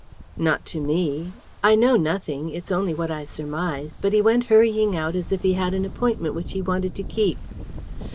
"Not to me. I know nothing, it's only what I surmise, but he went hurrying out as if he had an appointment which he wanted to keep."